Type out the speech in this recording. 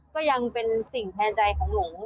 ก็ยังเป็นสิ่งแทนใจของหนู